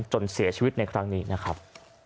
จนเสียชีวิตในครั้งนี้นะครับ